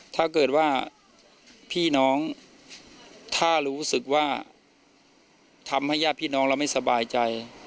ถ้าเกิดว่าพี่น้องถ้ารู้สึกว่าทำให้ญาติพี่น้องเราไม่สบายใจ